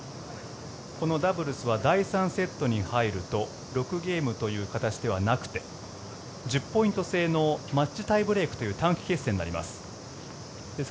このダブルスは第３セットに入ると６ゲームという形ではなくて１０ポイント制のマッチタイブレークという短期決戦になります。